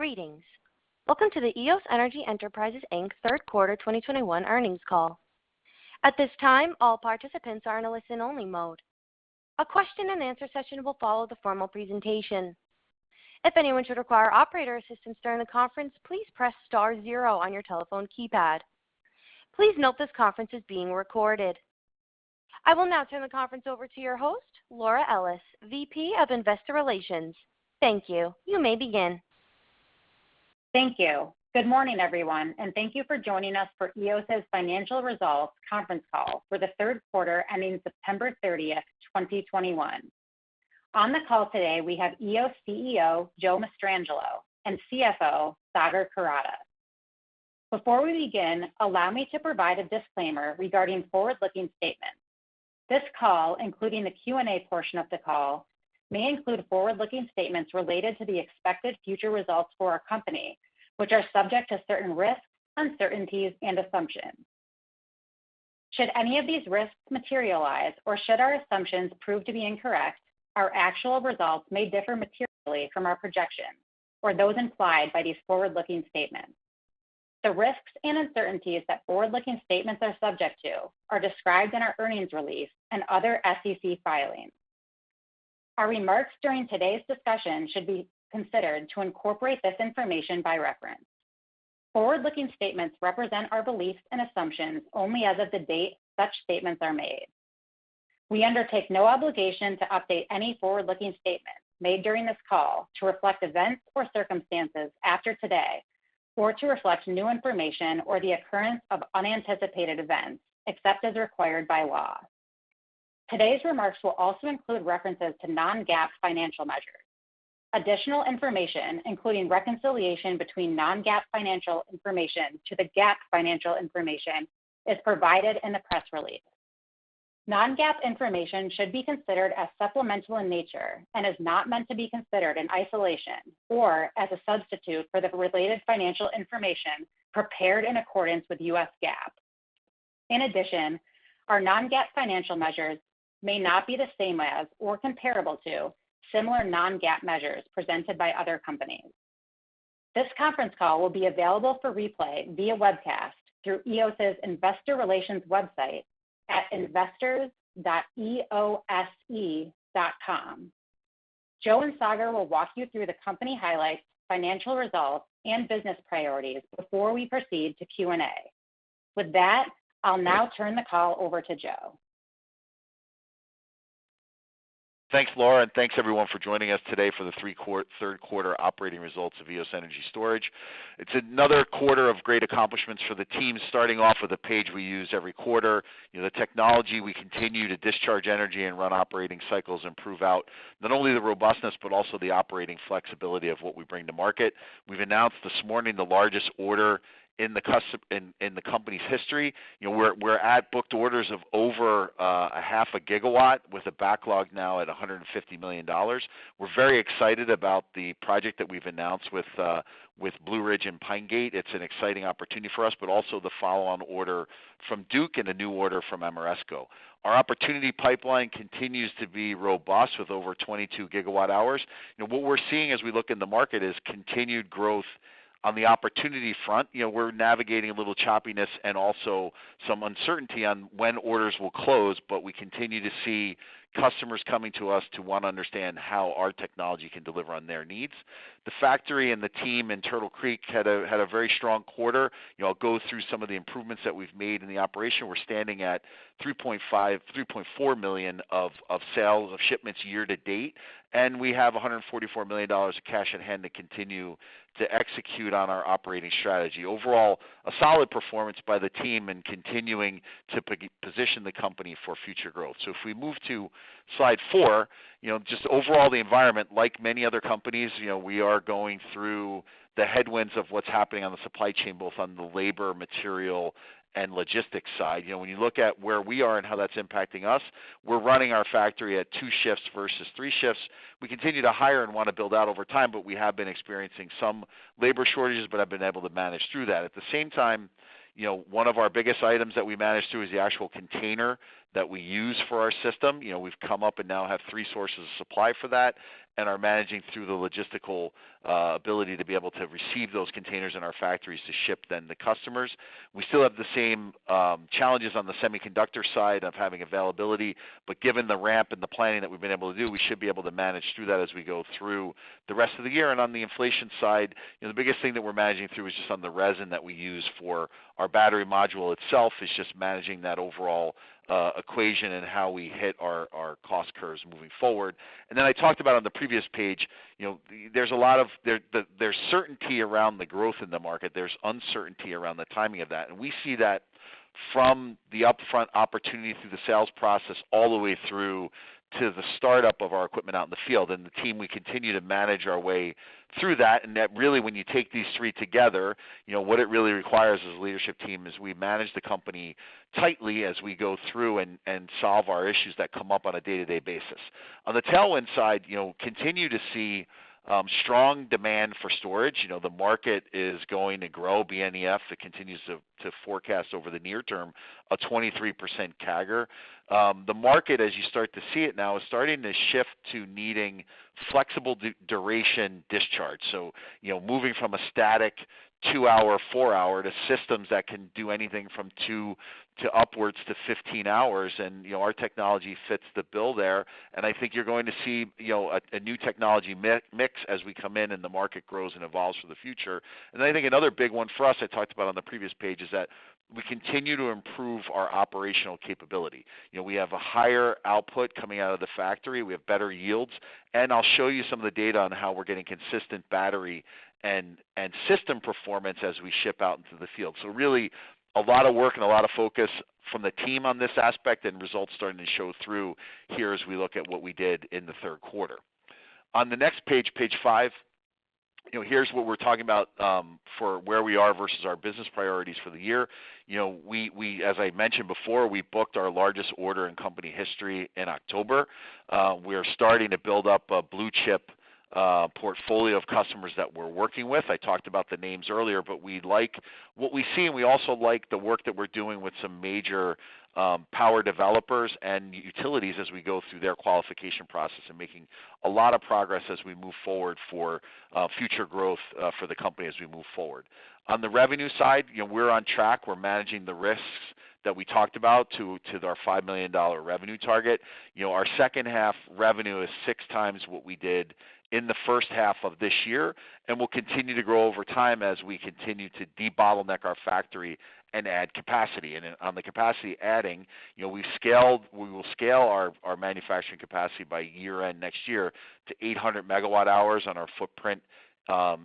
Greetings. Welcome to the Eos Energy Enterprises, Inc. Third Quarter 2021 Earnings Call. At this time, all participants are in a listen-only mode. A question and answer session will follow the formal presentation. If anyone should require operator assistance during the conference, please press star zero on your telephone keypad. Please note this conference is being recorded. I will now turn the conference over to your host, Laura Ellis, VP of Investor Relations. Thank you. You may begin. Thank you. Good morning, everyone, and thank you for joining us for Eos's Financial Results Conference Call for The Third Quarter Ending September 30th, 2021. On the call today, we have Eos CEO Joe Mastrangelo and CFO Sagar Kurada. Before we begin, allow me to provide a disclaimer regarding forward-looking statements. This call, including the Q&A portion of the call, may include forward-looking statements related to the expected future results for our company, which are subject to certain risks, uncertainties and assumptions. Should any of these risks materialize or should our assumptions prove to be incorrect, our actual results may differ materially from our projections or those implied by these forward-looking statements. The risks and uncertainties that forward-looking statements are subject to are described in our earnings release and other SEC filings. Our remarks during today's discussion should be considered to incorporate this information by reference. Forward-looking statements represent our beliefs and assumptions only as of the date such statements are made. We undertake no obligation to update any forward-looking statements made during this call to reflect events or circumstances after today or to reflect new information or the occurrence of unanticipated events, except as required by law. Today's remarks will also include references to non-GAAP financial measures. Additional information, including reconciliation between non-GAAP financial information to the GAAP financial information, is provided in the press release. Non-GAAP information should be considered as supplemental in nature and is not meant to be considered in isolation or as a substitute for the related financial information prepared in accordance with US GAAP. In addition, our non-GAAP financial measures may not be the same as or comparable to similar non-GAAP measures presented by other companies. This conference call will be available for replay via webcast through Eos's investor relations website at investors.eose.com. Joe and Sagar will walk you through the company highlights, financial results, and business priorities before we proceed to Q&A. With that, I'll now turn the call over to Joe. Thanks, Laura, and thanks everyone for joining us today for the third quarter operating results of Eos Energy Enterprises. It's another quarter of great accomplishments for the team, starting off with the page we use every quarter. You know, the technology, we continue to discharge energy and run operating cycles and prove out not only the robustness, but also the operating flexibility of what we bring to market. We've announced this morning the largest order in the company's history. You know, we're at booked orders of over 0.5 gigawatt with a backlog now at $150 million. We're very excited about the project that we've announced with Blue Ridge Power and Pine Gate Renewables. It's an exciting opportunity for us, but also the follow-on order from Duke Energy and a new order from Ameresco. Our opportunity pipeline continues to be robust with over 22 GWh. You know, what we're seeing as we look in the market is continued growth on the opportunity front. You know, we're navigating a little choppiness and also some uncertainty on when orders will close, but we continue to see customers coming to us to want to understand how our technology can deliver on their needs. The factory and the team in Turtle Creek had a very strong quarter. You know, I'll go through some of the improvements that we've made in the operation. We're standing at $3.4 million of sales of shipments year to date, and we have $144 million of cash on hand to continue to execute on our operating strategy. Overall, a solid performance by the team and continuing to position the company for future growth. If we move to slide four, you know, just overall the environment, like many other companies, you know, we are going through the headwinds of what's happening on the supply chain, both on the labor, material, and logistics side. You know, when you look at where we are and how that's impacting us, we're running our factory at two shifts versus three shifts. We continue to hire and want to build out over time, but we have been experiencing some labor shortages, but have been able to manage through that. At the same time, you know, one of our biggest items that we managed through is the actual container that we use for our system. You know, we've come up and now have three sources of supply for that and are managing through the logistical ability to be able to receive those containers in our factories to ship them to customers. We still have the same challenges on the semiconductor side of having availability, but given the ramp and the planning that we've been able to do, we should be able to manage through that as we go through the rest of the year. On the inflation side, you know, the biggest thing that we're managing through is just on the resin that we use for our battery module itself, is just managing that overall equation and how we hit our cost curves moving forward. I talked about on the previous page, you know, there's certainty around the growth in the market. There's uncertainty around the timing of that. We see that from the upfront opportunity through the sales process all the way through to the startup of our equipment out in the field. The team, we continue to manage our way through that. That really, when you take these three together, you know, what it really requires as a leadership team is we manage the company tightly as we go through and solve our issues that come up on a day-to-day basis. On the tailwind side, you know, continue to see strong demand for storage. You know, the market is going to grow. BNEF, it continues to forecast over the near term a 23% CAGR. The market, as you start to see it now, is starting to shift to needing flexible duration discharge. You know, moving from a static two-hour, four-hour to systems that can do anything from two to upwards to 15 hours, and, you know, our technology fits the bill there. I think you're going to see, you know, a new technology mix as we come in, and the market grows and evolves for the future. I think another big one for us, I talked about on the previous page, is that we continue to improve our operational capability. You know, we have a higher output coming out of the factory. We have better yields. I'll show you some of the data on how we're getting consistent battery and system performance as we ship out into the field. Really, a lot of work and a lot of focus from the team on this aspect, and results starting to show through here as we look at what we did in the third quarter. On the next page five, you know, here's what we're talking about for where we are versus our business priorities for the year. You know, as I mentioned before, we booked our largest order in company history in October. We are starting to build up a blue-chip portfolio of customers that we're working with. I talked about the names earlier. We like what we see, and we also like the work that we're doing with some major power developers and utilities as we go through their qualification process and making a lot of progress as we move forward for future growth for the company as we move forward. On the revenue side, you know, we're on track. We're managing the risks that we talked about to our $5 million revenue target. You know, our second half revenue is six times what we did in the first half of this year, and will continue to grow over time as we continue to debottleneck our factory and add capacity. On the capacity adding, you know, we will scale our manufacturing capacity by year-end next year to 800 MWh on our footprint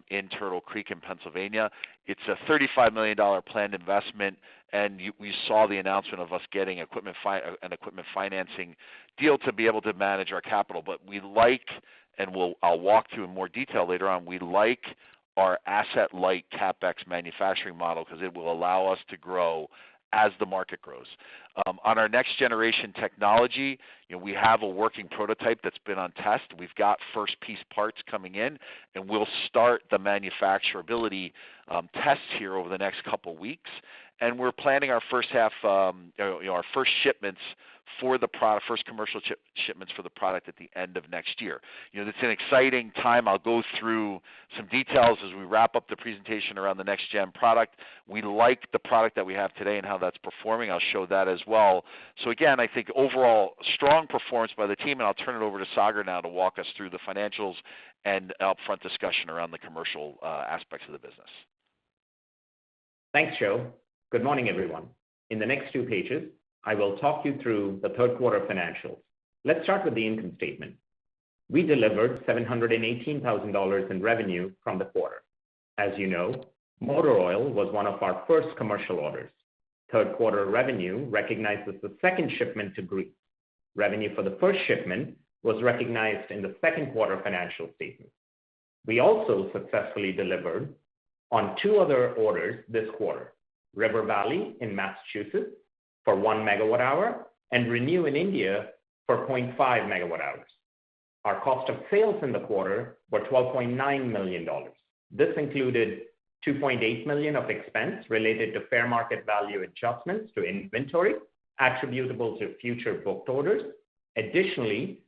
in Turtle Creek, Pennsylvania. It's a $35 million planned investment, and we saw the announcement of us getting an equipment financing deal to be able to manage our capital. I'll walk through in more detail later on. We like our asset-light CapEx manufacturing model because it will allow us to grow as the market grows. On our next-generation technology, you know, we have a working prototype that's been on test. We've got first-piece parts coming in, and we'll start the manufacturability tests here over the next couple weeks. We're planning our first commercial shipments for the product at the end of next year. You know, it's an exciting time. I'll go through some details as we wrap up the presentation around the next-gen product. We like the product that we have today and how that's performing. I'll show that as well. Again, I think overall, strong performance by the team, and I'll turn it over to Sagar now to walk us through the financials and upfront discussion around the commercial aspects of the business. Thanks, Joe. Good morning, everyone. In the next two pages, I will talk you through the third quarter financials. Let's start with the income statement. We delivered $718,000 in revenue from the quarter. As you know, Motor Oil was one of our first commercial orders, third quarter revenue recognized with the second shipment to Greece. Revenue for the first shipment was recognized in the second quarter financial statement. We also successfully delivered on two other orders this quarter, River Valley in Massachusetts for 1 MWh and ReNew in India for 0.5 MWh. Our cost of sales in the quarter were $12.9 million. This included $2.8 million of expense related to fair market value adjustments to inventory attributable to future booked orders. Additionally,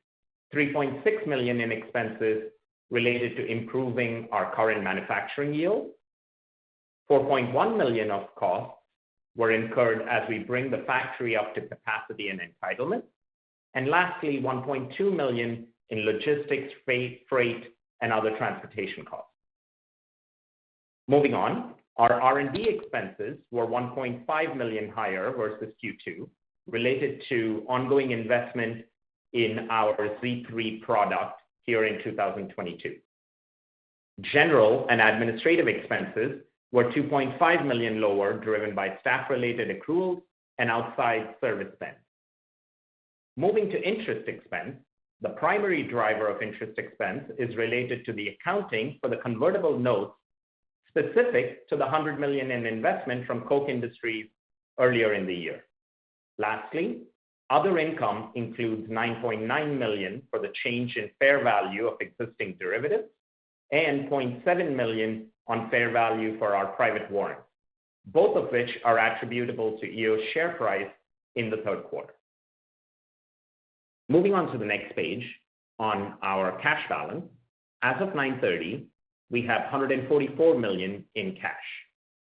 $3.6 million in expenses related to improving our current manufacturing yield. $4.1 million of costs were incurred as we bring the factory up to capacity and entitlement. Lastly, $1.2 million in logistics, freight, and other transportation costs. Moving on. Our R&D expenses were $1.5 million higher versus Q2, related to ongoing investment in our Z3 product here in 2022. General and administrative expenses were $2.5 million lower, driven by staff-related accruals and outside service spend. Moving to interest expense, the primary driver of interest expense is related to the accounting for the convertible notes specific to the $100 million in investment from Koch Industries earlier in the year. Lastly, other income includes $9.9 million for the change in fair value of existing derivatives and $0.7 million on fair value for our private warrants, both of which are attributable to Eos's share price in the third quarter. Moving on to the next page on our cash balance. As of 9:30, we have $144 million in cash.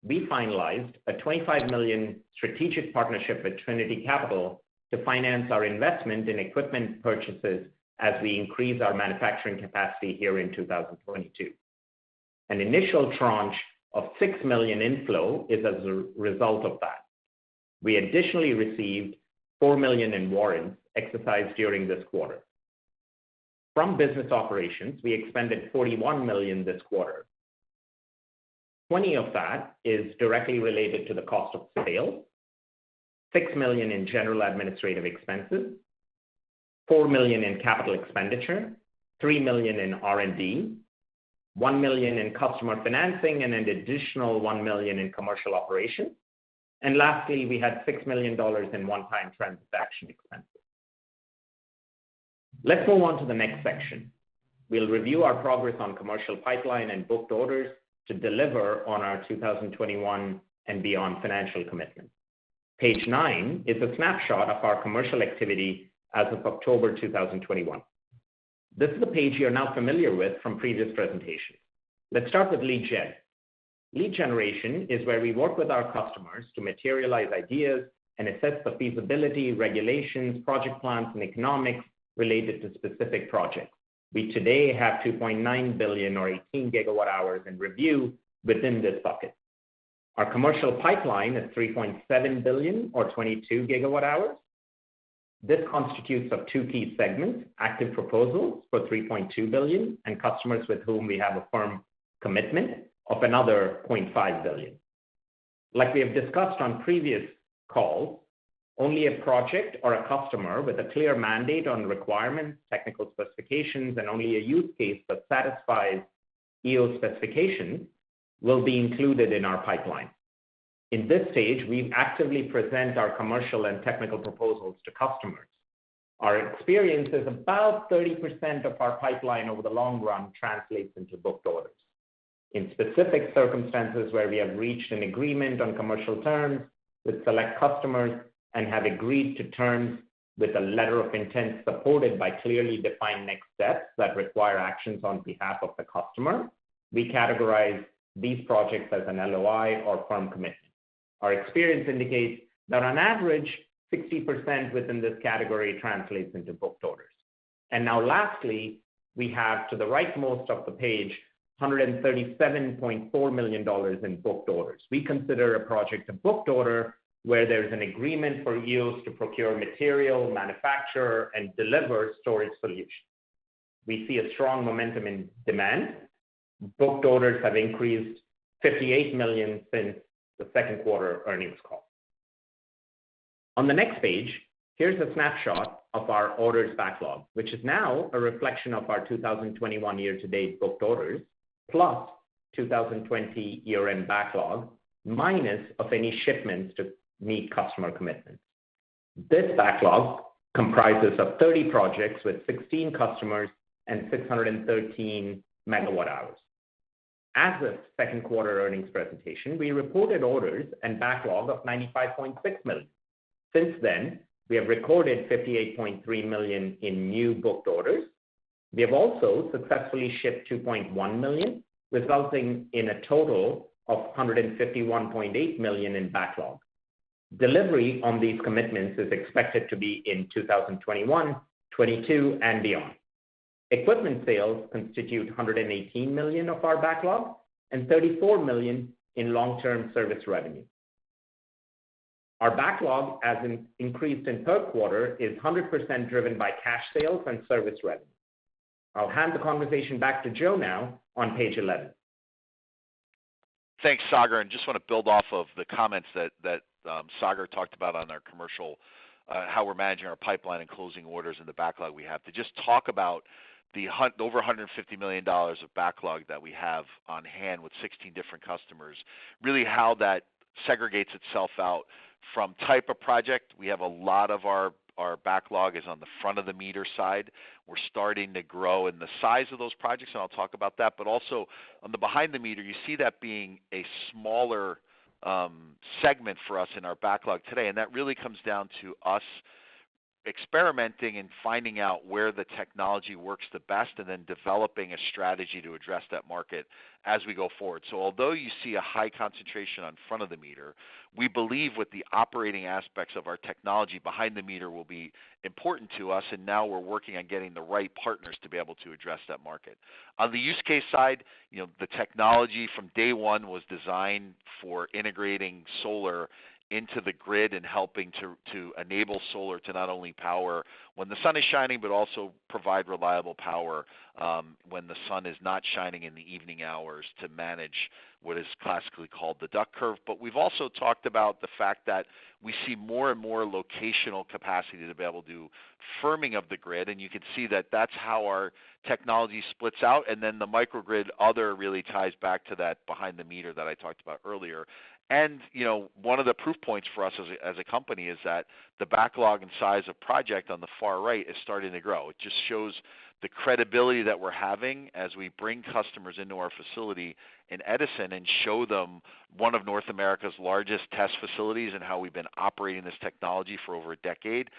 We finalized a $25 million strategic partnership with Trinity Capital to finance our investment in equipment purchases as we increase our manufacturing capacity here in 2022. An initial tranche of $6 million inflow is as a result of that. We additionally received $4 million in warrants exercised during this quarter. From business operations, we expended $41 million this quarter. 20 of that is directly related to the cost of sale, $6 million in general administrative expenses, $4 million in capital expenditure, $3 million in R&D, $1 million in customer financing, and an additional $1 million in commercial operations. Lastly, we had $6 million in one-time transaction expenses. Let's move on to the next section. We'll review our progress on commercial pipeline and booked orders to deliver on our 2021 and beyond financial commitments. Page nine is a snapshot of our commercial activity as of October 2021. This is a page you're now familiar with from previous presentations. Let's start with lead gen. Lead generation is where we work with our customers to materialize ideas and assess the feasibility, regulations, project plans, and economics related to specific projects. We today have $2.9 billion or 18 GWh in review within this bucket. Our commercial pipeline is $3.7 billion or 22 GWh. This constitutes of two key segments, active proposals for $3.2 billion, and customers with whom we have a firm commitment of another $0.5 billion. Like we have discussed on previous calls, only a project or a customer with a clear mandate on requirements, technical specifications, and only a use case that satisfies Eos specification will be included in our pipeline. In this stage, we actively present our commercial and technical proposals to customers. Our experience is about 30% of our pipeline over the long run translates into booked orders. In specific circumstances where we have reached an agreement on commercial terms with select customers and have agreed to terms with a letter of intent supported by clearly defined next steps that require actions on behalf of the customer, we categorize these projects as an LOI or firm commitment. Our experience indicates that on average, 60% within this category translates into booked orders. Now lastly, we have to the rightmost of the page, $137.4 million in booked orders. We consider a project a booked order where there is an agreement for Eos to procure material, manufacture, and deliver storage solutions. We see a strong momentum in demand. Booked orders have increased $58 million since the Second Quarter Earnings Call. On the next page, here's a snapshot of our orders backlog, which is now a reflection of our 2021 year-to-date booked orders, plus 2020 year-end backlog, minus of any shipments to meet customer commitments. This backlog comprises of 30 projects with 16 customers and 613 MWh. As of Second Quarter Earnings presentation, we reported orders and backlog of $95.6 million. Since then, we have recorded $58.3 million in new booked orders. We have also successfully shipped $2.1 million, resulting in a total of $151.8 million in backlog. Delivery on these commitments is expected to be in 2021, 2022, and beyond. Equipment sales constitute $118 million of our backlog and $34 million in long-term service revenue. Our backlog, as it increased in third quarter, is 100% driven by cash sales and service revenue. I'll hand the conversation back to Joe now on page 11. Thanks, Sagar. Just want to build off of the comments Sagar talked about on our commercial how we're managing our pipeline and closing orders in the backlog we have. To just talk about the over $150 million of backlog that we have on hand with 16 different customers, really how that segregates itself out from type of project. We have a lot of our backlog is on the front of the meter side. We're starting to grow in the size of those projects, and I'll talk about that. Also on the behind the meter, you see that being a smaller segment for us in our backlog today. That really comes down to us experimenting and finding out where the technology works the best and then developing a strategy to address that market as we go forward. Although you see a high concentration on front of the meter, we believe with the operating aspects of our technology behind the meter will be important to us, and now we're working on getting the right partners to be able to address that market. On the use case side, you know, the technology from day one was designed for integrating solar into the grid and helping to enable solar to not only power when the sun is shining, but also provide reliable power, when the sun is not shining in the evening hours to manage what is classically called the duck curve. We've also talked about the fact that we see more and more locational capacity to be able to do firming of the grid, and you can see that that's how our technology splits out. Then the microgrid other really ties back to that behind the meter that I talked about earlier. You know, one of the proof points for us as a, as a company is that the backlog and size of project on the far right is starting to grow. It just shows the credibility that we're having as we bring customers into our facility in Edison and show them one of North America's largest test facilities and how we've been operating this technology for over a decade.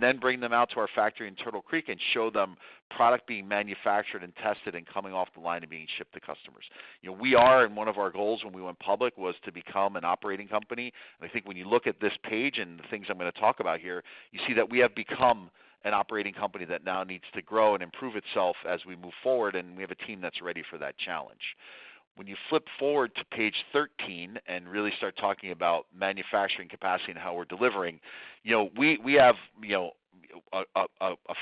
Then bring them out to our factory in Turtle Creek and show them product being manufactured and tested and coming off the line and being shipped to customers. You know, we are, and one of our goals when we went public, was to become an operating company. I think when you look at this page and the things I'm gonna talk about here, you see that we have become an operating company that now needs to grow and improve itself as we move forward, and we have a team that's ready for that challenge. When you flip forward to page 13 and really start talking about manufacturing capacity and how we're delivering, you know, we have a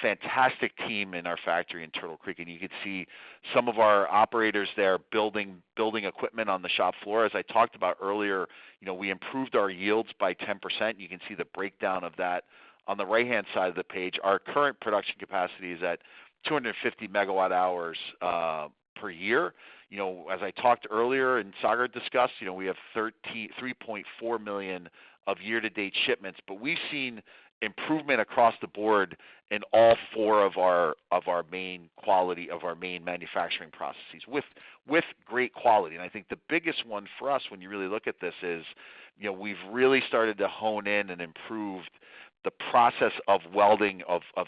fantastic team in our factory in Turtle Creek. You could see some of our operators there building equipment on the shop floor. As I talked about earlier, you know, we improved our yields by 10%. You can see the breakdown of that on the right-hand side of the page. Our current production capacity is at 250 MWh per year. You know, as I talked earlier and Sagar discussed, you know, we have 3.4 million of year-to-date shipments. We've seen improvement across the board in all four of our main manufacturing processes with great quality. I think the biggest one for us when you really look at this is, you know, we've really started to hone in and improve the process of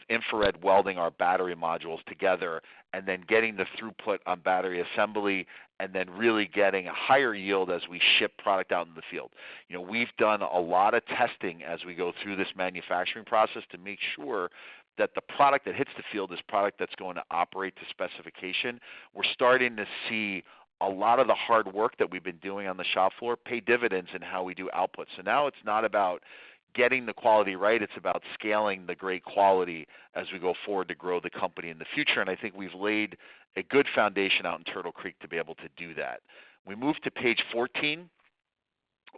infrared welding our battery modules together, and then getting the throughput on battery assembly, and then really getting a higher yield as we ship product out in the field. You know, we've done a lot of testing as we go through this manufacturing process to make sure that the product that hits the field is product that's going to operate to specification. We're starting to see a lot of the hard work that we've been doing on the shop floor pay dividends in how we do output. Now it's not about getting the quality right, it's about scaling the great quality as we go forward to grow the company in the future. I think we've laid a good foundation out in Turtle Creek to be able to do that. We move to page 14.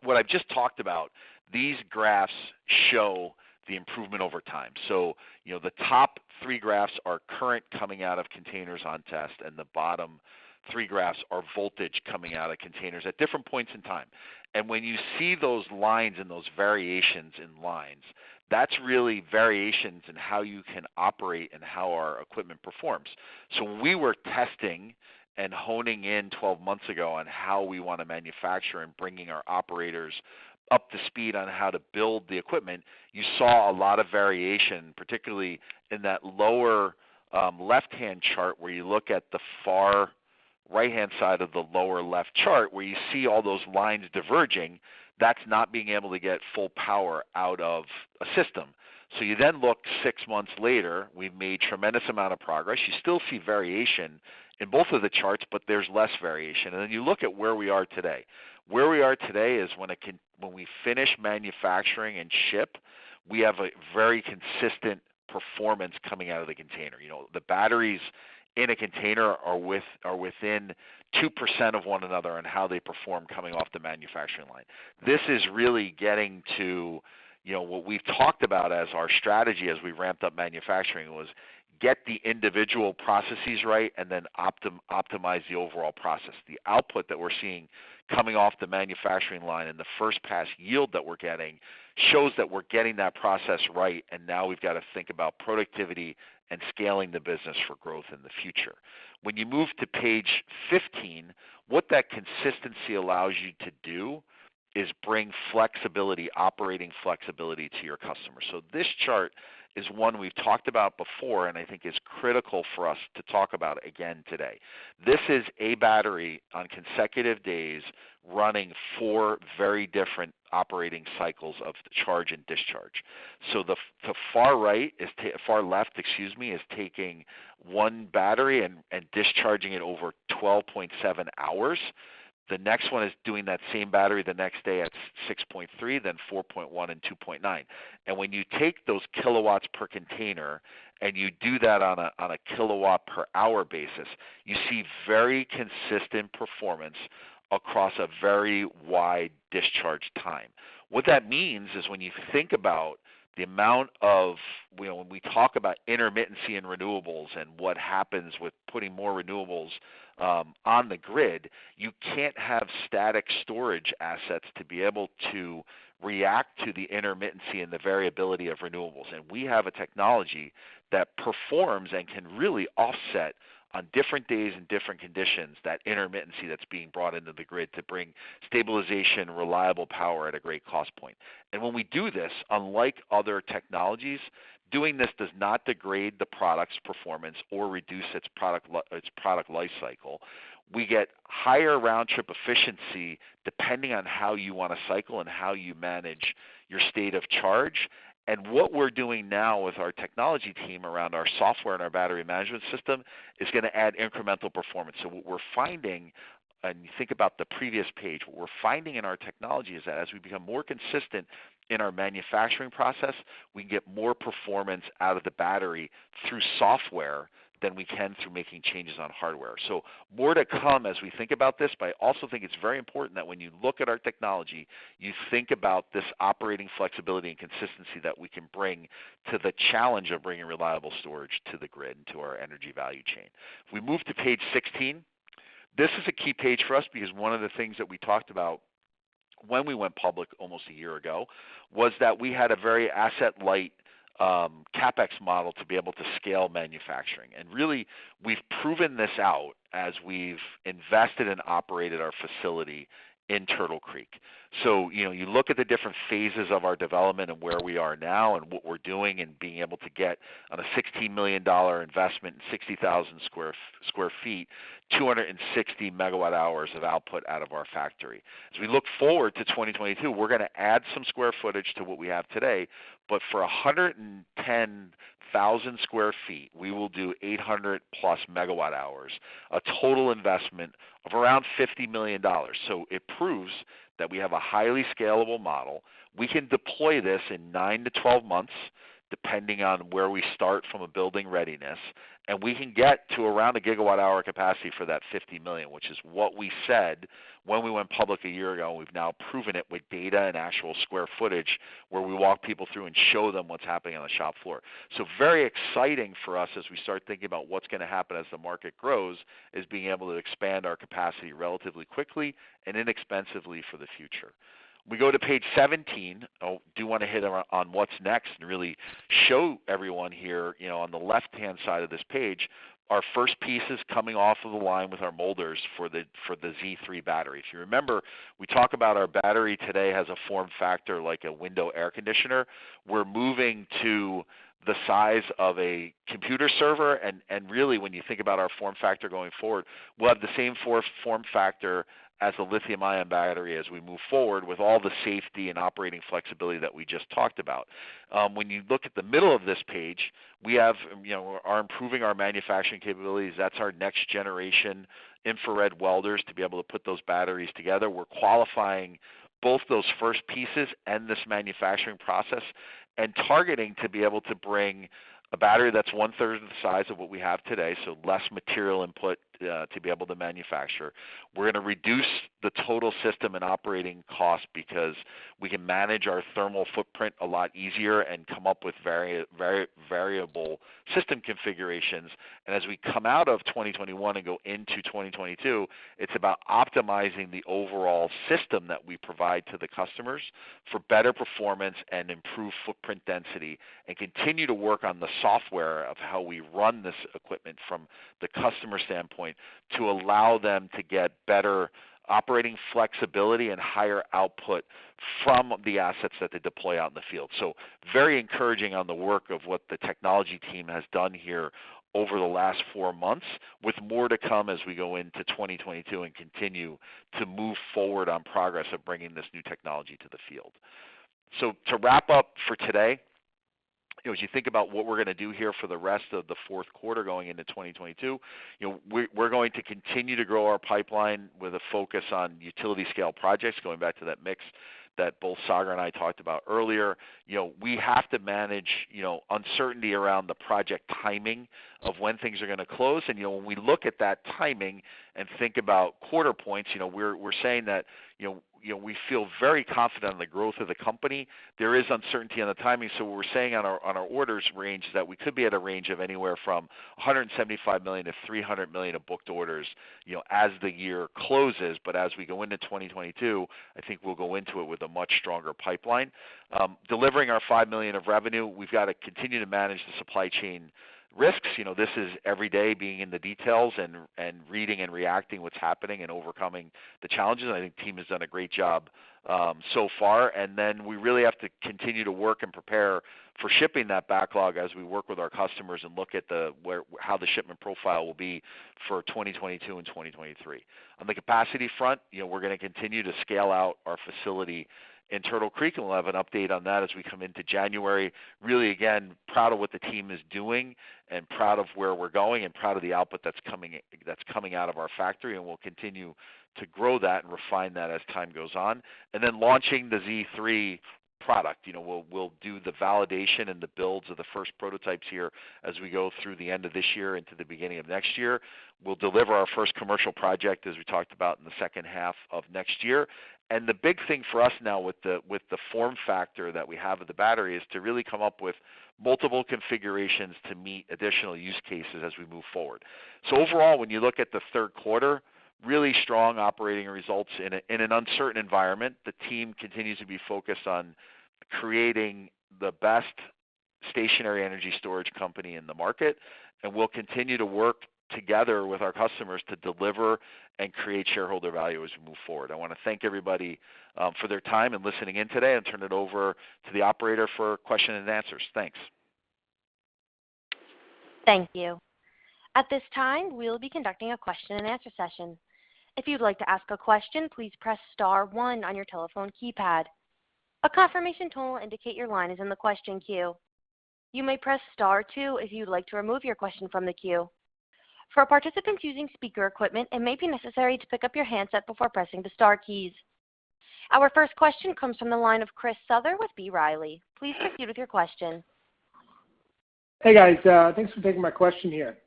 What I've just talked about, these graphs show the improvement over time. You know, the top three graphs are current coming out of containers on test, and the bottom three graphs are voltage coming out of containers at different points in time. When you see those lines and those variations in lines, that's really variations in how you can operate and how our equipment performs. When we were testing and honing in 12 months ago on how we want to manufacture and bringing our operators up to speed on how to build the equipment, you saw a lot of variation, particularly in that lower, left-hand chart, where you look at the far right-hand side of the lower left chart, where you see all those lines diverging, that's not being able to get full power out of a system. You then look six months later, we've made tremendous amount of progress. You still see variation in both of the charts, but there's less variation. Then you look at where we are today. Where we are today is when we finish manufacturing and ship, we have a very consistent performance coming out of the container. You know, the batteries in a container are within 2% of one another in how they perform coming off the manufacturing line. This is really getting to, you know, what we've talked about as our strategy as we ramped up manufacturing was get the individual processes right and then optimize the overall process. The output that we're seeing coming off the manufacturing line and the first-pass yield that we're getting shows that we're getting that process right, and now we've got to think about productivity and scaling the business for growth in the future. When you move to page 15, what that consistency allows you to do is bring flexibility, operating flexibility to your customers. So this chart is one we've talked about before, and I think is critical for us to talk about again today. This is a battery on consecutive days running four very different operating cycles of charge and discharge. The far left, excuse me, is taking one battery and discharging it over 12.7 hours. The next one is doing that same battery the next day at 6.3, then 4.1, and 2.9. When you take those kilowatts per container and you do that on a kilowatt-hour basis, you see very consistent performance across a very wide discharge time. What that means is when we talk about intermittency in renewables and what happens with putting more renewables on the grid, you can't have static storage assets to be able to react to the intermittency and the variability of renewables. We have a technology that performs and can really offset on different days and different conditions that intermittency that's being brought into the grid to bring stabilization, reliable power at a great cost point. When we do this, unlike other technologies, doing this does not degrade the product's performance or reduce its product life cycle. We get higher round-trip efficiency depending on how you want to cycle and how you manage your state of charge. What we're doing now with our technology team around our software and our battery management system is gonna add incremental performance. What we're finding, and you think about the previous page, what we're finding in our technology is that as we become more consistent in our manufacturing process, we can get more performance out of the battery through software than we can through making changes on hardware. More to come as we think about this, but I also think it's very important that when you look at our technology, you think about this operating flexibility and consistency that we can bring to the challenge of bringing reliable storage to the grid, to our energy value chain. If we move to page 16, this is a key page for us because one of the things that we talked about when we went public almost a year ago was that we had a very asset-light, CapEx model to be able to scale manufacturing. Really, we've proven this out as we've invested and operated our facility in Turtle Creek. You know, you look at the different phases of our development and where we are now and what we're doing and being able to get on a $60 million investment in 60,000 sq ft, 260 MWh of output out of our factory. As we look forward to 2022, we're gonna add some square footage to what we have today, but for 110,000 sq ft, we will do 800+ MWh, a total investment of around $50 million. It proves that we have a highly scalable model. We can deploy this in 9-12 months, depending on where we start from a building readiness, and we can get to around 1 GWh capacity for that $50 million, which is what we said when we went public a year ago. We've now proven it with data and actual square footage where we walk people through and show them what's happening on the shop floor. Very exciting for us as we start thinking about what's gonna happen as the market grows, is being able to expand our capacity relatively quickly and inexpensively for the future. We go to page 17. I do wanna hit on what's next and show everyone here, you know, on the left-hand side of this page, our first pieces coming off of the line with our molders for the Z3 battery. If you remember, we talk about our battery today has a form factor like a window air conditioner. We're moving to the size of a computer server, and really, when you think about our form factor going forward, we'll have the same form factor as a lithium-ion battery as we move forward with all the safety and operating flexibility that we just talked about. When you look at the middle of this page, we are improving our manufacturing capabilities. That's our next-generation infrared welders to be able to put those batteries together. We're qualifying both those first pieces and this manufacturing process and targeting to be able to bring a battery that's one-third of the size of what we have today, so less material input to be able to manufacture. We're gonna reduce the total system and operating cost because we can manage our thermal footprint a lot easier and come up with variable system configurations. As we come out of 2021 and go into 2022, it's about optimizing the overall system that we provide to the customers for better performance and improved footprint density, and continue to work on the software of how we run this equipment from the customer standpoint to allow them to get better operating flexibility and higher output from the assets that they deploy out in the field. Very encouraging on the work of what the technology team has done here over the last four months, with more to come as we go into 2022 and continue to move forward on progress of bringing this new technology to the field. To wrap up for today, as you think about what we're gonna do here for the rest of the fourth quarter going into 2022, you know, we're going to continue to grow our pipeline with a focus on utility scale projects, going back to that mix that both Sagar and I talked about earlier. You know, we have to manage, you know, uncertainty around the project timing of when things are gonna close. You know, when we look at that timing and think about quarter points, you know, we're saying that, you know, we feel very confident in the growth of the company. There is uncertainty on the timing. What we're saying on our orders range is that we could be at a range of anywhere from $175 million-$300 million of booked orders, you know, as the year closes. As we go into 2022, I think we'll go into it with a much stronger pipeline. Delivering our $5 million of revenue, we've got to continue to manage the supply chain risks. You know, this is every day being in the details and reading and reacting what's happening and overcoming the challenges. I think the team has done a great job, so far. Then we really have to continue to work and prepare for shipping that backlog as we work with our customers and look at how the shipment profile will be for 2022 and 2023. On the capacity front, you know, we're gonna continue to scale out our facility in Turtle Creek, and we'll have an update on that as we come into January. Really, again, proud of what the team is doing and proud of where we're going and proud of the output that's coming out of our factory, and we'll continue to grow that and refine that as time goes on. Launching the Z3 product, you know, we'll do the validation and the builds of the first prototypes here as we go through the end of this year into the beginning of next year. We'll deliver our first commercial project, as we talked about, in the second half of next year. The big thing for us now with the form factor that we have with the battery is to really come up with multiple configurations to meet additional use cases as we move forward. Overall, when you look at the third quarter, really strong operating results in an uncertain environment. The team continues to be focused on creating the best stationary energy storage company in the market, and we'll continue to work together with our customers to deliver and create shareholder value as we move forward. I want to thank everybody for their time and listening in today and turn it over to the operator for question and answers. Thanks. Thank you. At this time, we'll be conducting a question and answer session. If you'd like to ask a question, please press star one on your telephone keypad. A confirmation tone will indicate your line is in the question queue. You may press star two if you'd like to remove your question from the queue. For participants using speaker equipment, it may be necessary to pick up your handset before pressing the star keys. Our first question comes from the line of Chris Souther with B. Riley. Please proceed with your question. Hey, guys. Thanks for taking my question here.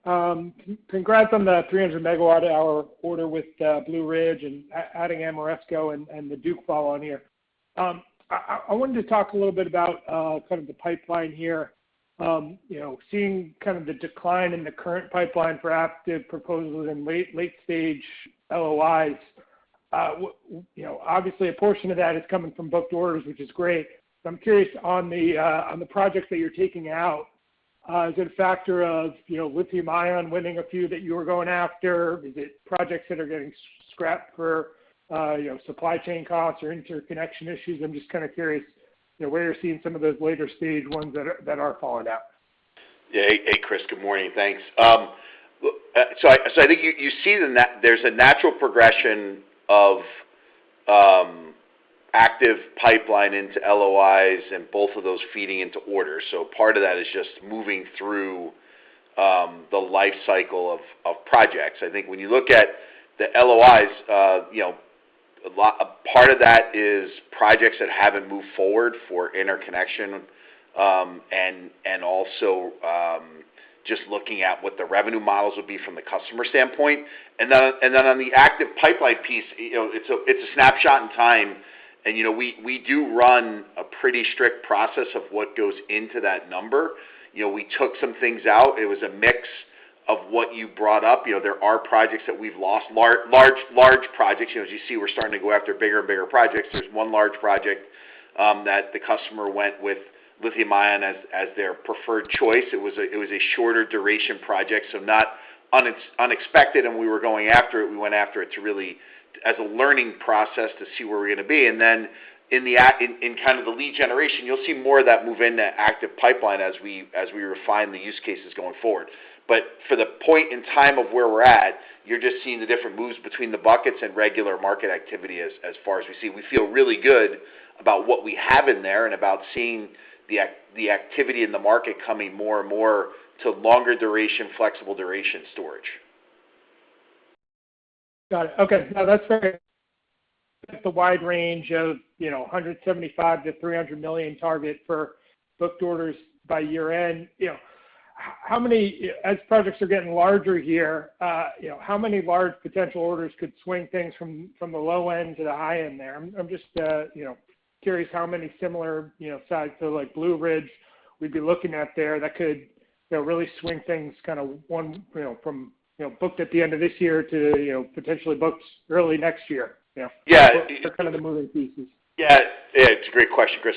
Congrats on the 300 MWh order with Blue Ridge and adding Ameresco and the Duke follow-on here. I wanted to talk a little bit about kind of the pipeline here. You know, seeing kind of the decline in the current pipeline for active proposals and late-stage LOIs, you know, obviously a portion of that is coming from booked orders, which is great. I'm curious on the projects that you're taking out. Is it a factor of, you know, lithium-ion winning a few that you were going after? Is it projects that are getting scrapped for, you know, supply chain costs or interconnection issues? I'm just kind of curious, you know, where you're seeing some of those later stage ones that are falling out. Hey, Chris, good morning. Thanks. I think you see there's a natural progression of active pipeline into LOIs and both of those feeding into orders. Part of that is just moving through the life cycle of projects. I think when you look at the LOIs, you know, a part of that is projects that haven't moved forward for interconnection and also just looking at what the revenue models would be from the customer standpoint. On the active pipeline piece, you know, it's a snapshot in time. You know, we do run a pretty strict process of what goes into that number. You know, we took some things out. It was a mix of what you brought up, you know, there are projects that we've lost. Large projects, you know, as you see, we're starting to go after bigger and bigger projects. There's one large project that the customer went with lithium-ion as their preferred choice. It was a shorter duration project, so not unexpected, and we were going after it. We went after it to really, as a learning process to see where we're gonna be. Then in kind of the lead generation, you'll see more of that move into active pipeline as we refine the use cases going forward. For the point in time of where we're at, you're just seeing the different moves between the buckets and regular market activity, as far as we see. We feel really good about what we have in there and about seeing the activity in the market coming more and more to longer duration, flexible duration storage. Got it. Okay. No, that's fair. That's a wide range of, you know, $175 million-$300 million target for booked orders by year-end. You know, how many. As projects are getting larger here, you know, how many large potential orders could swing things from the low end to the high end there? I'm just, you know, curious how many similar, you know, size to like Blue Ridge we'd be looking at there that could, you know, really swing things kind of one, you know, from, you know, booked at the end of this year to, you know, potentially booked early next year, you know? Yeah. What are kind of the moving pieces? Yeah. It's a great question, Chris.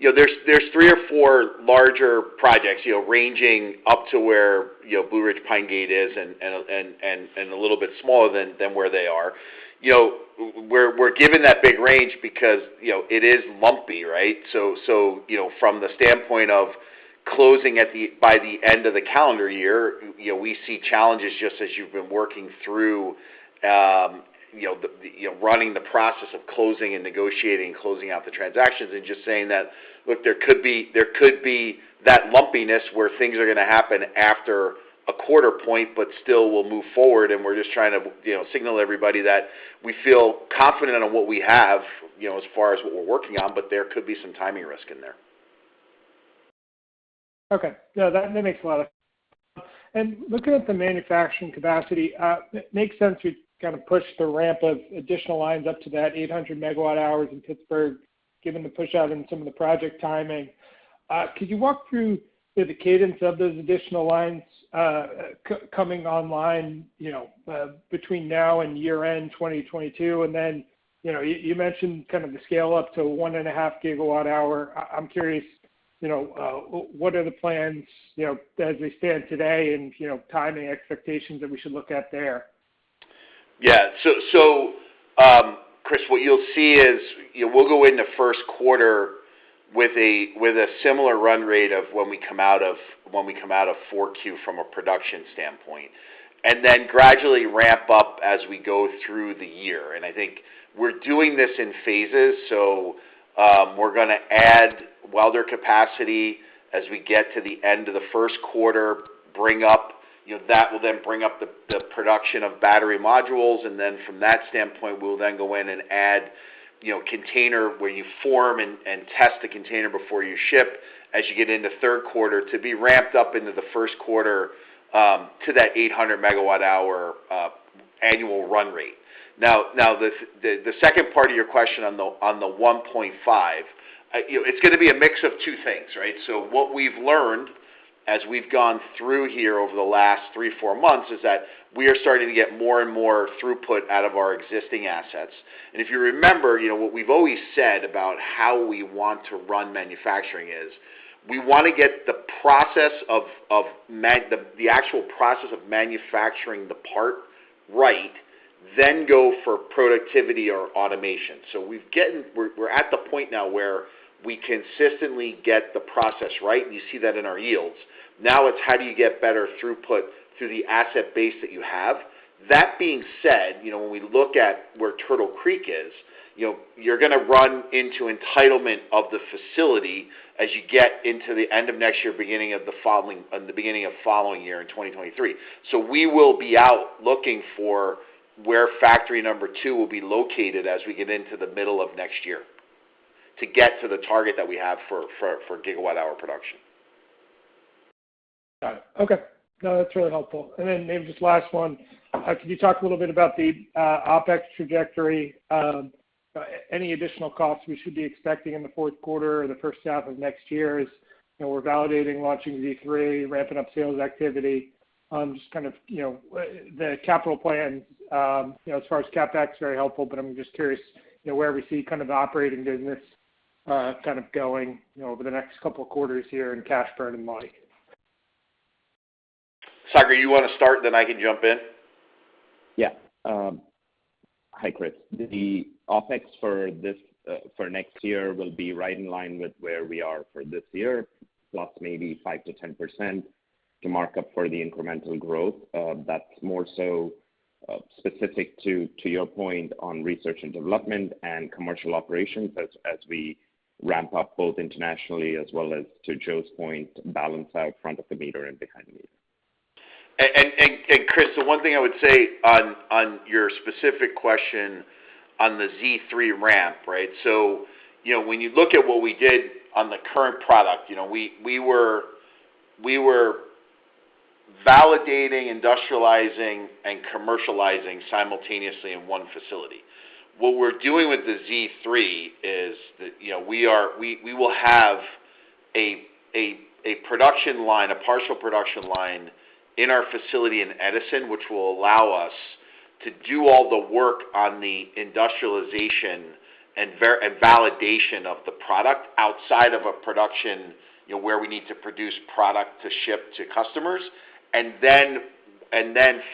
You know, there's three or four larger projects, you know, ranging up to where, you know, Blue Ridge/Pine Gate is and a little bit smaller than where they are. You know, we're given that big range because, you know, it is lumpy, right? You know, from the standpoint of closing by the end of the calendar year, you know, we see challenges just as you've been working through, you know, running the process of closing and negotiating, closing out the transactions and just saying that, look, there could be that lumpiness where things are gonna happen after a quarter point, but still will move forward, and we're just trying to, you know, signal everybody that we feel confident on what we have, you know, as far as what we're working on, but there could be some timing risk in there. Okay. No, that makes a lot of sense. Looking at the manufacturing capacity, it makes sense you kind of pushed the ramp of additional lines up to that 800 MWh in Pittsburgh, given the push out in some of the project timing. Could you walk through the cadence of those additional lines coming online, you know, between now and year-end 2022? You know, you mentioned kind of the scale up to 1.5 GWh. I'm curious, you know, what the plans are, you know, as we stand today and, you know, timing expectations that we should look at there? Yeah. Chris, what you'll see is, you know, we'll go in the first quarter with a similar run rate of when we come out of Q4 from a production standpoint, and then gradually ramp up as we go through the year. I think we're doing this in phases. We're gonna add welder capacity as we get to the end of the first quarter, bring up. You know, that will then bring up the production of battery modules, and then from that standpoint, we'll then go in and add, you know, container where you form and test the container before you ship, as you get into third quarter to be ramped up into the first quarter, to that 800 megawatt-hour annual run rate. Now the second part of your question on the $1.5, you know, it's gonna be a mix of two things, right? What we've learned as we've gone through here over the last three, four months is that we are starting to get more and more throughput out of our existing assets. If you remember, you know, what we've always said about how we want to run manufacturing is we wanna get the process of the actual process of manufacturing the part right, then go for productivity or automation. We're at the point now where we consistently get the process right, and you see that in our yields. Now it's how do you get better throughput through the asset base that you have. That being said, you know, when we look at where Turtle Creek is, you know, you're gonna run into entitlement of the facility as you get into the end of next year, beginning of following year in 2023. We will be out looking for where factory number two will be located as we get into the middle of next year to get to the target that we have for gigawatt hour production. Got it. Okay. No, that's really helpful. Maybe just last one. Can you talk a little bit about the OpEx trajectory? Any additional costs we should be expecting in the fourth quarter or the first half of next year as, you know, we're validating launching Z3, ramping up sales activity. Just kind of, you know, the capital plan, you know, as far as CapEx, very helpful, but I'm just curious, you know, where we see kind of operating business kind of going, you know, over the next couple of quarters here in cash burn and money. Sagar, you wanna start, then I can jump in? Yeah. Hi, Chris. The OpEx for next year will be right in line with where we are for this year, plus maybe 5%-10% to mark up for the incremental growth. That's more so specific to your point on research and development and commercial operations as we ramp up both internationally as well as to Joe's point, balance out front of the meter and behind the meter. Chris, one thing I would say on your specific question on the Z3 ramp, right? You know, when you look at what we did on the current product, you know, we were validating, industrializing, and commercializing simultaneously in one facility. What we're doing with the Z3 is that, you know, we will have a partial production line in our facility in Edison, which will allow us to do all the work on the industrialization and validation of the product outside of a production, you know, where we need to produce product to ship to customers.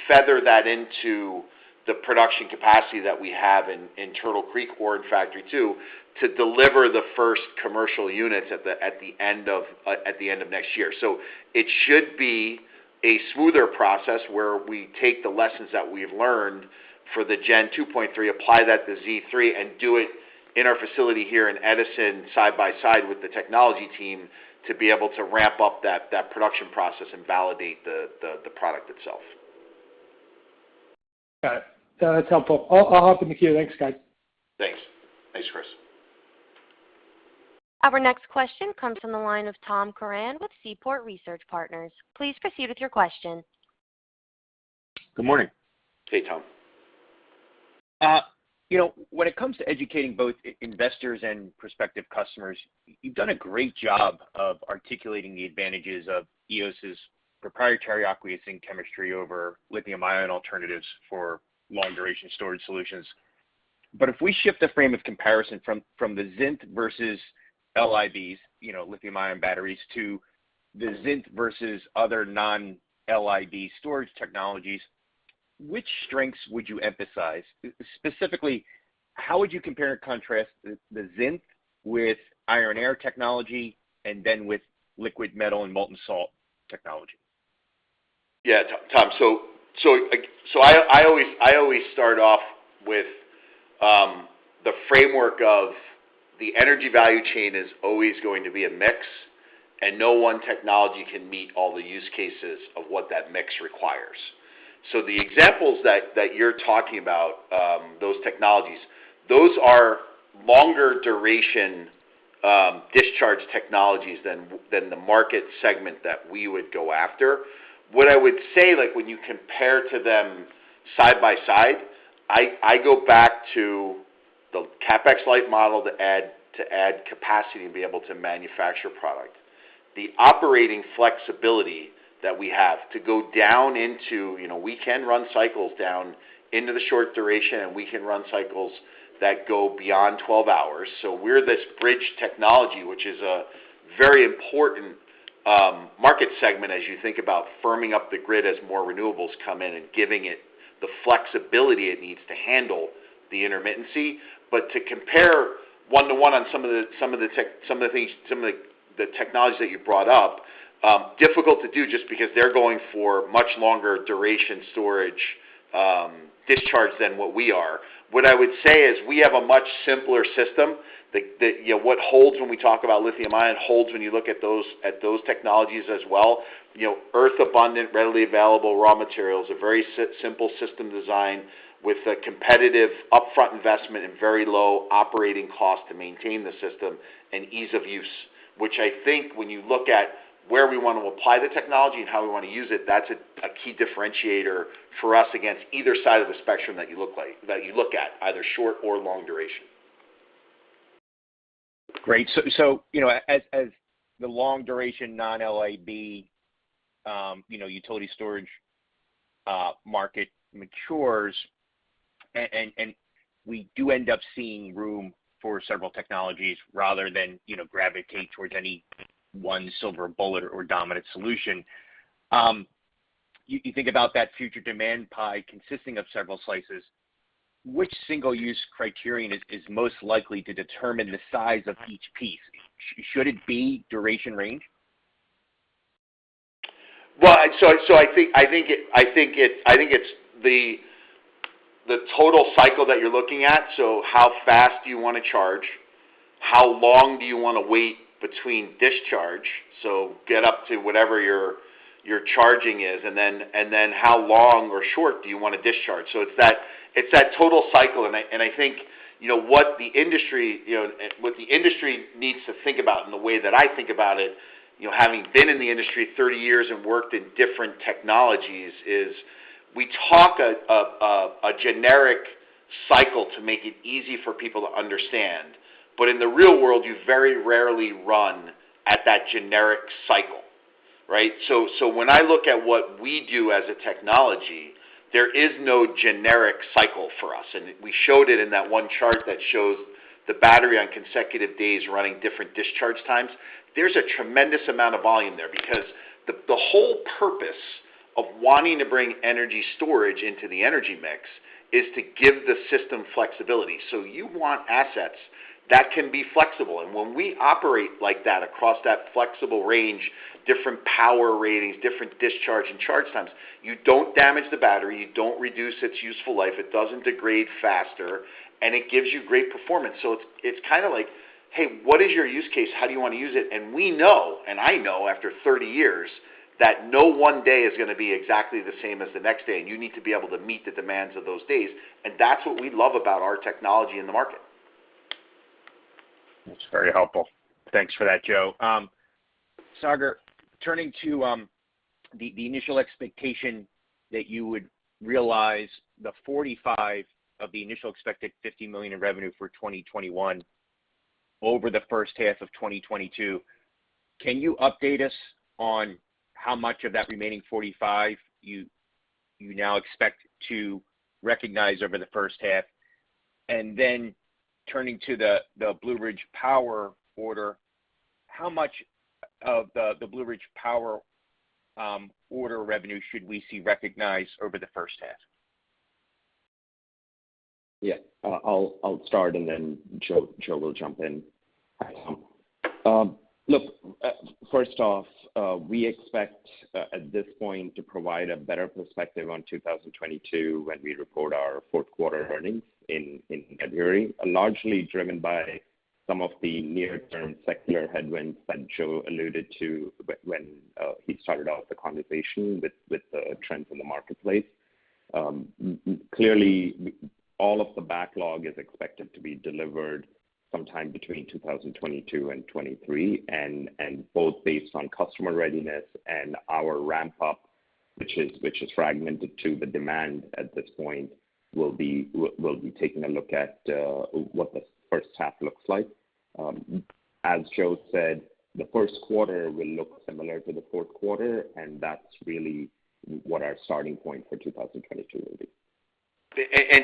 Feather that into the production capacity that we have in Turtle Creek or in Factory 2 to deliver the first commercial units at the end of next year. It should be a smoother process where we take the lessons that we've learned for the Gen 2.3, apply that to Z3, and do it in our facility here in Edison side by side with the technology team to be able to ramp up that production process and validate the product itself. Got it. That's helpful. I'll hop in the queue. Thanks, guys. Thanks. Thanks, Chris. Our next question comes from the line of Tom Curran with Seaport Research Partners. Please proceed with your question. Good morning. Hey, Tom. You know, when it comes to educating both investors and prospective customers, you've done a great job of articulating the advantages of Eos' proprietary aqueous zinc chemistry over lithium-ion alternatives for long-duration storage solutions. If we shift the frame of comparison from the Znyth™ versus LIBs, you know, lithium-ion batteries, to the Znyth™ versus other non-LIB storage technologies, which strengths would you emphasize? Specifically, how would you compare and contrast the Znyth™ with iron-air technology and then with liquid metal and molten salt technology? Yeah, Tom. I always start off with the framework of the energy value chain is always going to be a mix, and no one technology can meet all the use cases of what that mix requires. The examples that you're talking about, those technologies, those are longer duration discharge technologies than the market segment that we would go after. What I would say, like, when you compare to them side by side, I go back to the CapEx light model to add capacity to be able to manufacture product. The operating flexibility that we have to go down into, you know, we can run cycles down into the short duration, and we can run cycles that go beyond 12 hours. We're this bridge technology, which is a very important market segment as you think about firming up the grid as more renewables come in and giving it the flexibility it needs to handle the intermittency. To compare one to one on some of the technologies that you brought up difficult to do just because they're going for much longer duration storage discharge than what we are. What I would say is we have a much simpler system that you know what holds when we talk about lithium-ion holds when you look at those technologies as well. You know, earth abundant, readily available raw materials, a very simple system design with a competitive upfront investment and very low operating cost to maintain the system and ease of use. Which I think when you look at where we want to apply the technology and how we want to use it, that's a key differentiator for us against either side of the spectrum that you look at, either short or long duration. Great. As the long-duration non-LIB, you know, utility storage market matures and we do end up seeing room for several technologies rather than, you know, gravitate towards any one silver bullet or dominant solution, you think about that future demand pie consisting of several slices, which single use criterion is most likely to determine the size of each piece? Should it be duration range? Well, I think it's the total cycle that you're looking at. How fast do you wanna charge? How long do you wanna wait between discharge? Get up to whatever your charging is, and then how long or short do you want to discharge? It's that total cycle. I think, you know, what the industry needs to think about and the way that I think about it, you know, having been in the industry 30 years and worked in different technologies is we talk a generic cycle to make it easy for people to understand. In the real world, you very rarely run at that generic cycle, right? When I look at what we do as a technology, there is no generic cycle for us. We showed it in that one chart that shows the battery on consecutive days running different discharge times. There's a tremendous amount of volume there because the whole purpose of wanting to bring energy storage into the energy mix is to give the system flexibility. You want assets that can be flexible. When we operate like that across that flexible range, different power ratings, different discharge and charge times, you don't damage the battery, you don't reduce its useful life, it doesn't degrade faster, and it gives you great performance. It's kinda like, "Hey, what is your use case? How do you wanna use it?" We know, and I know after 30 years, that no one day is gonna be exactly the same as the next day, and you need to be able to meet the demands of those days. That's what we love about our technology in the market. That's very helpful. Thanks for that, Joe. Sagar, turning to the initial expectation that you would realize the $45 of the initial expected $50 million in revenue for 2021 over the first half of 2022, can you update us on how much of that remaining $45 you now expect to recognize over the first half? Turning to the Blue Ridge Power order, how much of the Blue Ridge Power order revenue should we see recognized over the first half? Yeah. I'll start, and then Joe will jump in. Got you. Look, first off, we expect at this point to provide a better perspective on 2022 when we report our fourth quarter earnings in February, largely driven by some of the near-term secular headwinds that Joe alluded to when he started out the conversation with the trends in the marketplace. Clearly, all of the backlog is expected to be delivered sometime between 2022 and 2023. Both based on customer readiness and our ramp up, which is fragmented to the demand at this point, we'll be taking a look at what the first half looks like. As Joe said, the first quarter will look similar to the fourth quarter, and that's really what our starting point for 2022 will be.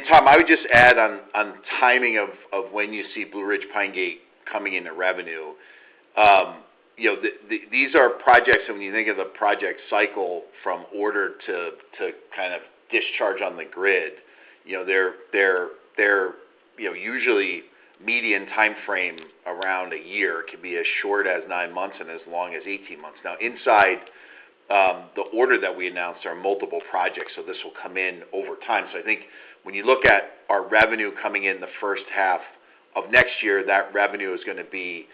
Tom, I would just add on timing of when you see Blue Ridge Power and Pine Gate Renewables coming into revenue. These are projects, and when you think of the project cycle from order to kind of discharge on the grid, usually median timeframe around a year. It could be as short as nine months and as long as 18 months. Now, inside the order that we announced are multiple projects, so this will come in over time. I think when you look at our revenue coming in the first half of next year, that revenue is gonna be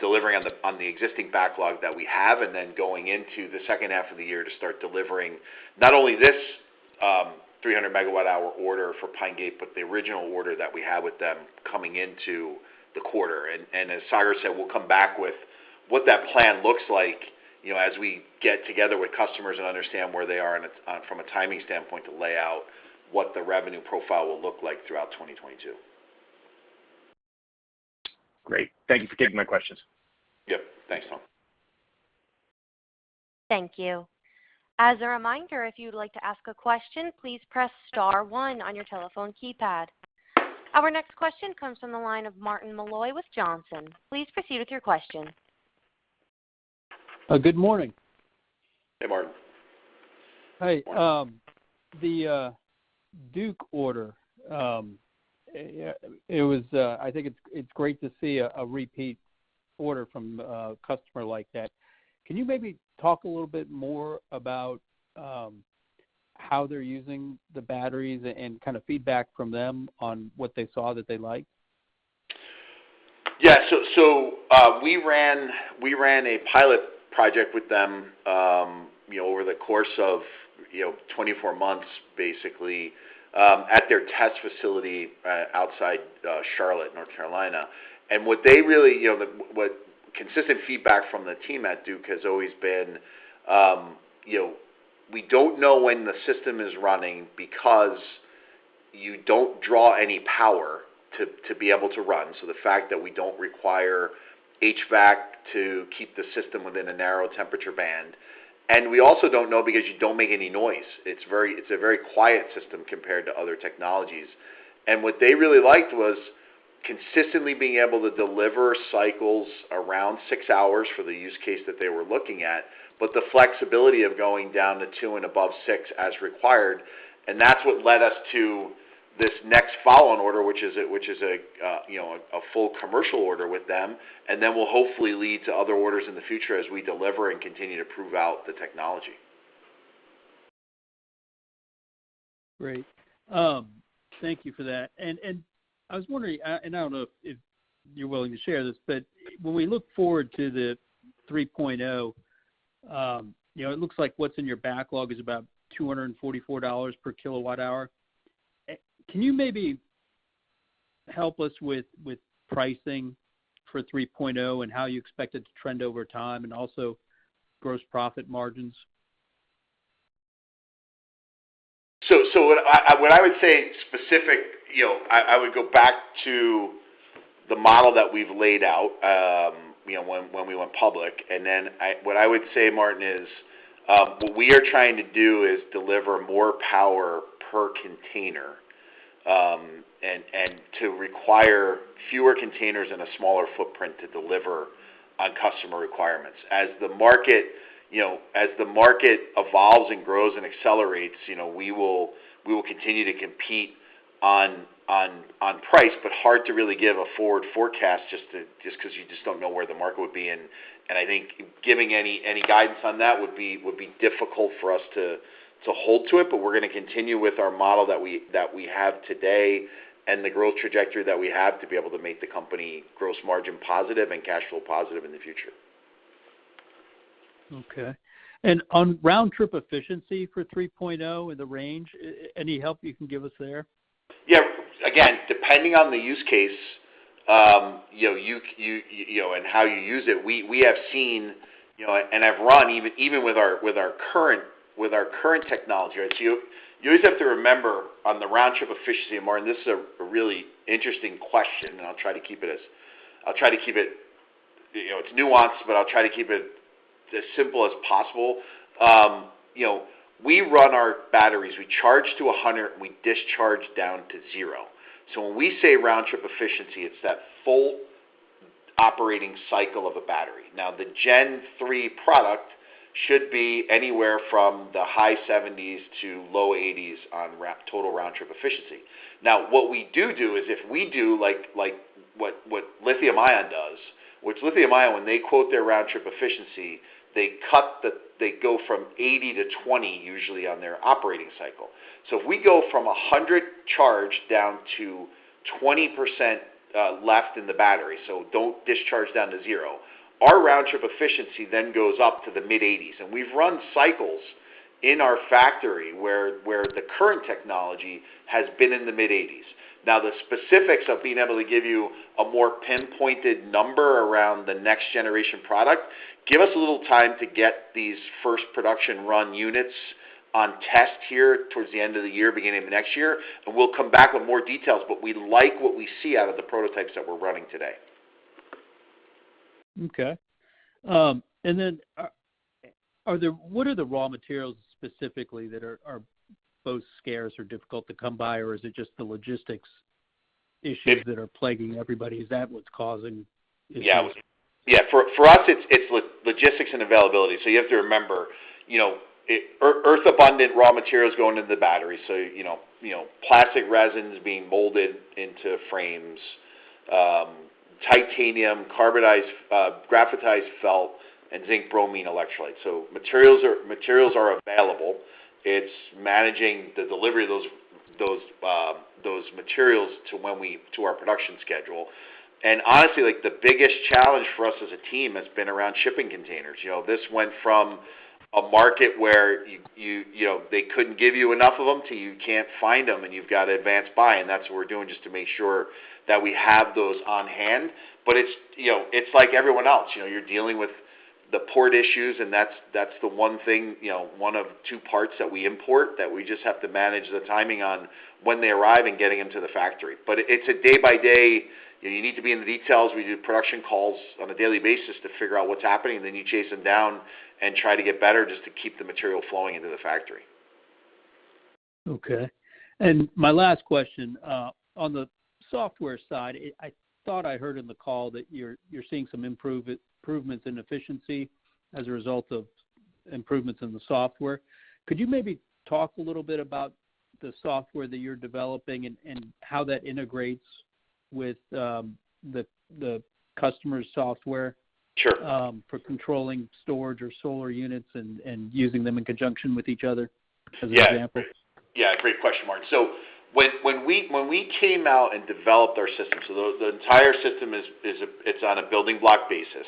delivering on the existing backlog that we have and then going into the second half of the year to start delivering not only this 300 MWh order for Pine Gate, but the original order that we have with them coming into the quarter. As Sagar said, we'll come back with what that plan looks like as we get together with customers and understand where they are and it's from a timing standpoint to lay out what the revenue profile will look like throughout 2022. Great. Thank you for taking my questions. Yep. Thanks, Tom. Thank you. As a reminder, if you'd like to ask a question, please press star one on your telephone keypad. Our next question comes from the line of Martin Malloy with Johnson. Please proceed with your question. Good morning. Hey, Martin. Hi. The Duke order. I think it's great to see a repeat order from a customer like that. Can you maybe talk a little bit more about how they're using the batteries and kind of feedback from them on what they saw that they liked? Yeah. We ran a pilot project with them, you know, over the course of, you know, 24 months, basically, at their test facility, outside Charlotte, North Carolina. What they really, you know, what consistent feedback from the team at Duke has always been, you know, we don't know when the system is running because you don't draw any power to be able to run. The fact that we don't require HVAC to keep the system within a narrow temperature band. We also don't know because you don't make any noise. It's a very quiet system compared to other technologies. What they really liked was consistently being able to deliver cycles around six hours for the use case that they were looking at, but the flexibility of going down to two and above six as required. That's what led us to this next follow-on order, which is, you know, a full commercial order with them, and then will hopefully lead to other orders in the future as we deliver and continue to prove out the technology. Great. Thank you for that. I was wondering, and I don't know if you're willing to share this, but when we look forward to the 3.0, you know, it looks like what's in your backlog is about $244/kWh. Can you maybe help us with pricing for 3.0 and how you expect it to trend over time, and also gross profit margins? What I would say specifically, you know, I would go back to the model that we've laid out, you know, when we went public. What I would say, Martin, is what we are trying to do is deliver more power per container, and to require fewer containers and a smaller footprint to deliver on customer requirements. As the market, you know, as the market evolves and grows and accelerates, you know, we will continue to compete on price, but it's hard to really give a forward forecast just 'cause you just don't know where the market would be. I think giving any guidance on that would be difficult for us to hold to it. We're gonna continue with our model that we have today and the growth trajectory that we have to be able to make the company gross margin positive and cash flow positive in the future. Okay. On round-trip efficiency for 3.0 and the range, any help you can give us there? Yeah. Again, depending on the use case, you know, and how you use it, we have seen, you know, and have run even with our current technology, right? You just have to remember on the round-trip efficiency, Martin. This is a really interesting question, and I'll try to keep it, you know, it's nuanced, but I'll try to keep it as simple as possible. You know, we run our batteries. We charge to 100, and we discharge down to 0. When we say round-trip efficiency, it's that full operating cycle of a battery. Now, the Gen 3 product should be anywhere from the high 70s% to low 80s% on total round-trip efficiency. Now, what we do is if we do like what lithium-ion does, which lithium-ion, when they quote their round-trip efficiency, they go from 80 to 20 usually on their operating cycle. If we go from a 100 charge down to 20% left in the battery, so don't discharge down to zero, our round-trip efficiency then goes up to the mid-80s. We've run cycles in our factory where the current technology has been in the mid-80s. Now, the specifics of being able to give you a more pinpointed number around the next generation product, give us a little time to get these first production run units on test here towards the end of the year, beginning of next year, and we'll come back with more details. We like what we see out of the prototypes that we're running today. Okay. What are the raw materials specifically that are both scarce or difficult to come by, or is it just the logistics issues that are plaguing everybody? Is that what's causing issues? Yeah. For us, it's logistics and availability. You have to remember, you know, earth abundant raw materials going into the battery, so, you know, plastic resins being molded into frames, titanium, carbonized graphite felt, and zinc bromide electrolyte. Materials are available. It's managing the delivery of those materials to our production schedule. Honestly, like, the biggest challenge for us as a team has been around shipping containers. You know, this went from a market where you know, they couldn't give you enough of them to you can't find them, and you've got to advance buy, and that's what we're doing just to make sure that we have those on hand. It's, you know, it's like everyone else. You know, you're dealing with the port issues, and that's the one thing, you know, one of two parts that we import that we just have to manage the timing on when they arrive and getting into the factory. It's a day by day. You need to be in the details. We do production calls on a daily basis to figure out what's happening, and then you chase them down and try to get better just to keep the material flowing into the factory. Okay. My last question, on the software side, I thought I heard in the call that you're seeing some improvements in efficiency as a result of improvements in the software. Could you maybe talk a little bit about the software that you're developing and how that integrates with the customer's software? Sure. for controlling storage or solar units and using them in conjunction with each other as examples? Great question, Martin. When we came out and developed our system, the entire system is on a building block basis.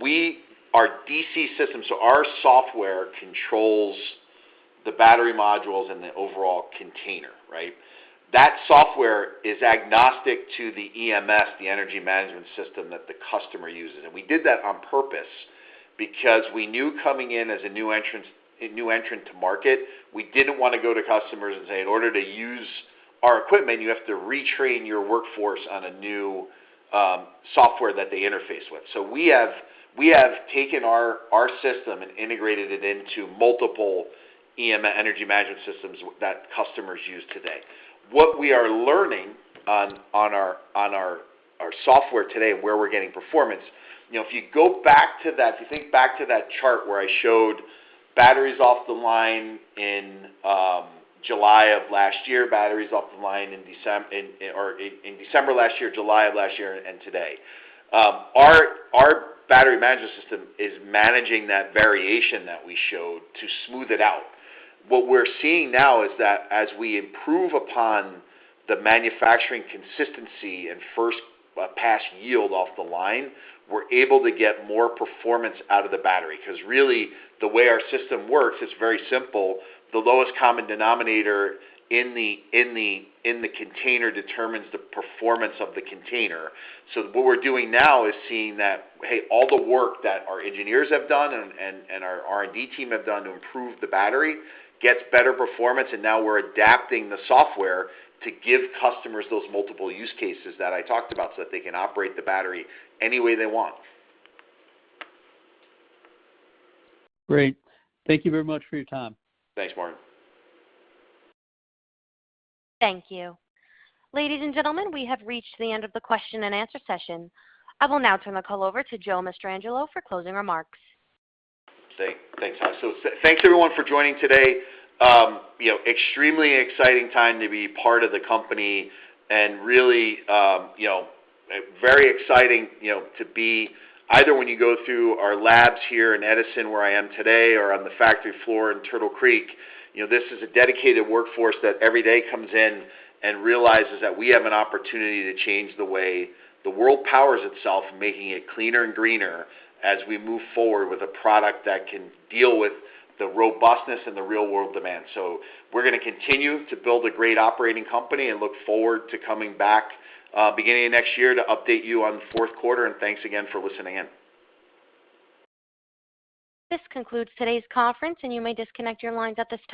We are DC systems, so our software controls the battery modules and the overall container, right? That software is agnostic to the EMS, the energy management system that the customer uses. We did that on purpose because we knew coming in as a new entrant to market, we didn't want to go to customers and say, "In order to use our equipment, you have to retrain your workforce on a new software that they interface with." We have taken our system and integrated it into multiple energy management systems that customers use today. What we are learning on our software today and where we're getting performance, you know, if you go back to that, if you think back to that chart where I showed batteries off the line in July of last year, in December last year, and today. Our battery management system is managing that variation that we showed to smooth it out. What we're seeing now is that as we improve upon the manufacturing consistency and first pass yield off the line, we're able to get more performance out of the battery. 'Cause really the way our system works, it's very simple. The lowest common denominator in the container determines the performance of the container. What we're doing now is seeing that, hey, all the work that our engineers have done and our R&D team have done to improve the battery gets better performance, and now we're adapting the software to give customers those multiple use cases that I talked about so that they can operate the battery any way they want. Great. Thank you very much for your time. Thanks, Martin. Thank you. Ladies and gentlemen, we have reached the end of the question and answer session. I will now turn the call over to Joe Mastrangelo for closing remarks. Thanks. Thanks, Ashley. Thanks everyone for joining today. You know, extremely exciting time to be part of the company and really, you know, very exciting, you know, to be either when you go through our labs here in Edison, where I am today, or on the factory floor in Turtle Creek. You know, this is a dedicated workforce that every day comes in and realizes that we have an opportunity to change the way the world powers itself, making it cleaner and greener as we move forward with a product that can deal with the robustness and the real-world demand. We're gonna continue to build a great operating company and look forward to coming back, beginning of next year to update you on the fourth quarter. Thanks again for listening in. This concludes today's conference, and you may disconnect your lines at this time.